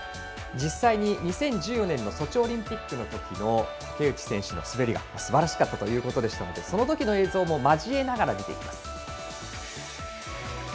実際に、２０１４年ソチオリンピックのときの竹内選手の滑りがすばらしかったということですのでそのときの映像も交えながら見ていきます。